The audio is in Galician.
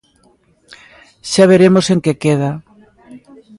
Xa veremos en que queda.